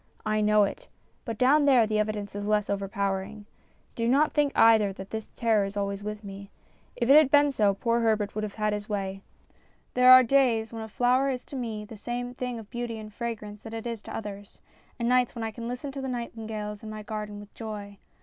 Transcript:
I know it ; but down there the evidence is less overpowering. Do not think either that this terror is always with me. If it had been so, poor Herbert would have had his way. There are days when a flower is to me the same thing of beauty and fragrance that it is to others, and nights when I can listen to the nightin gales in my garden with joy.